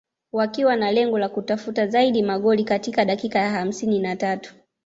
wakiwa na lengo la kutafuta zaidi magoli katika dakika ya hamsini na tatu